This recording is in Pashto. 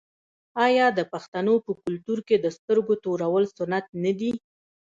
آیا د پښتنو په کلتور کې د سترګو تورول سنت نه دي؟